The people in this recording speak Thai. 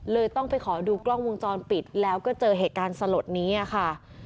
ต้องไปขอดูกล้องวงจรปิดแล้วก็เจอเหตุการณ์สลดนี้ค่ะ